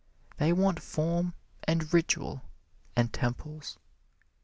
They want form and ritual and temples.